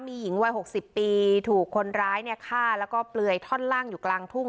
มีหญิงวัย๖๐ปีถูกคนร้ายเนี่ยฆ่าแล้วก็เปลือยท่อนล่างอยู่กลางทุ่ง